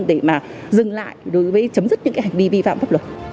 để mà dừng lại đối với chấm dứt những cái hành vi vi phạm pháp luật